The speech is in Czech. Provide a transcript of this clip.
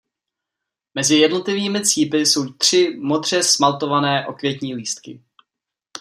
Mezi jednotlivými cípy jsou tři modře smaltované okvětní lístky.